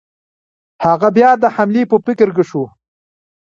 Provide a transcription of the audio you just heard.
هغه بیا د حملې په فکر کې شو.